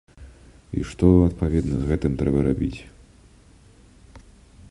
І што, адпаведна, з гэтым трэба рабіць.